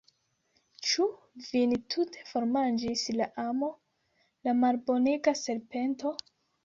Ĉu vin tute formanĝis la amo, la malbonega serpento?